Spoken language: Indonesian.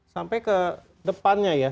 sampai ke depannya ya